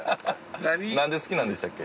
なんで好きなんでしたっけ？